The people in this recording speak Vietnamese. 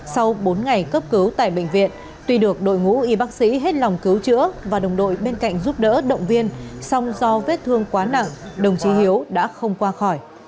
sau bốn ngày cấp cứu tại bệnh viện tuy được đội ngũ y bác sĩ hết lòng cứu chữa và đồng đội bên cạnh giúp đỡ động viên song do vết thương quá nặng đồng chí hiếu đã không qua khỏi